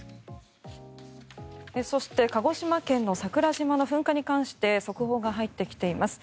そして鹿児島県の桜島の噴火について速報が入ってきています。